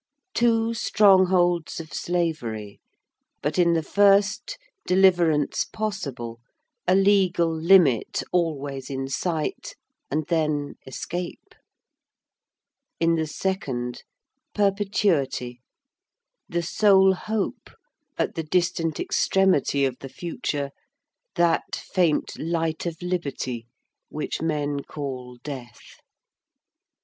Two strongholds of slavery; but in the first, deliverance possible, a legal limit always in sight, and then, escape. In the second, perpetuity; the sole hope, at the distant extremity of the future, that faint light of liberty which men call death.